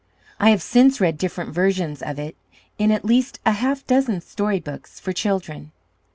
I have since read different versions of it in at least a half dozen story books for children.